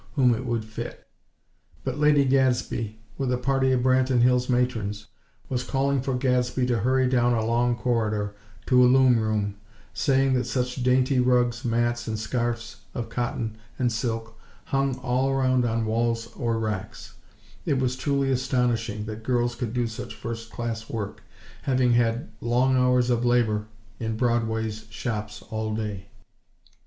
whom it would fit. But Lady Gadsby, with a party of Branton Hills matrons, was calling for Gadsby to hurry down a long corridor to a loom room, saying that such dainty rugs, mats and scarfs of cotton and silk hung all around on walls or racks, it was truly astonishing that girls could do such first class work, having had long hours of labor in Broadway's shops all day.